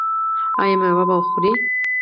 ایا میوه به خورئ؟